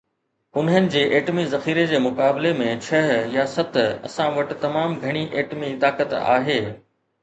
انهن جي ايٽمي ذخيري جي مقابلي ۾ ڇهه يا ست، اسان وٽ تمام گهڻي ايٽمي طاقت آهي.